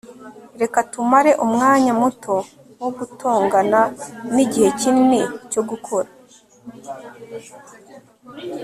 reka tumare umwanya muto wo gutongana nigihe kinini cyo gukora